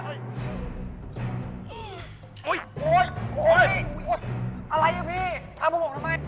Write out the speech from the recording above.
โอ้โฮโอ้โฮอะไรอ่ะพี่ทำประบบทำไม